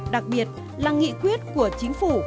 đặc biệt là nghị quyết của chính phủ